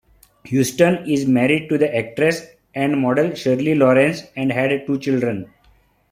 Houston is married to the actress and model Shirley Lawrence and had two children.